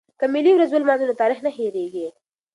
که ملي ورځ ولمانځو نو تاریخ نه هیریږي.